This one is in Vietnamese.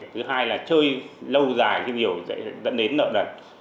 thứ hai là chơi lâu dài thì sẽ dẫn đến nợ lần